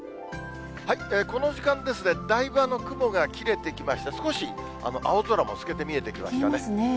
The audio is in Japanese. この時間ですね、だいぶ雲が切れてきまして、少し青空も透けて見えてきましたね。